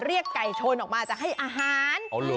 เรียกไก่ชนออกมาจะให้อาหาร